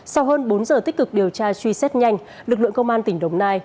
sau hơn bốn giờ tích cực điều tra truy xét nhanh lực lượng công an tỉnh đồng nai